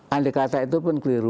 andai kata itu pun keliru